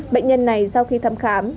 bệnh nhân này sau khi thăm khám